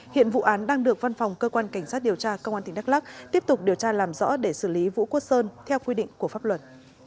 hiện vụ án đang được văn phòng cơ quan cảnh sát điều tra công an tỉnh đắk lắc tiếp tục điều tra làm rõ để xử lý vũ quốc sơn theo quy định của pháp luật